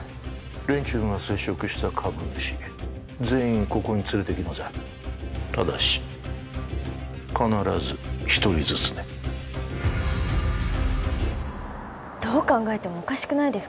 連中が接触した株主全員ここに連れてきなさいただし必ず一人ずつねどう考えてもおかしくないですか？